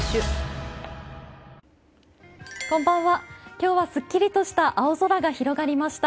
今日はすっきりとした青空が広がりました。